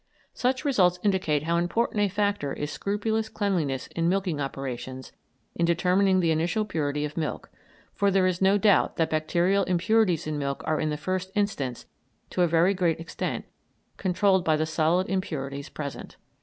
Such results indicate how important a factor is scrupulous cleanliness in milking operations in determining the initial purity of milk, for there is no doubt that bacterial impurities in milk are in the first instance, to a very great extent, controlled by the solid impurities present.